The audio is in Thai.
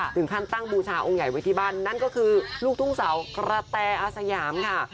ถึงขั้นตั้งบูชาองค์ใหญ่ไว้ที่บ้านนั่นก็คือลูกทุ่งสาวกระแตอาสยามค่ะ